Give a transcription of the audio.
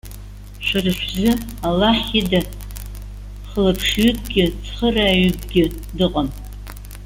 Шәара шәзы, Аллаҳ ида, хылаԥшҩыкгьы, цхырааҩгьы дыҟам.